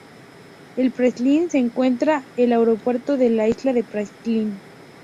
En Praslin se encuentra el Aeropuerto de la isla de Praslin.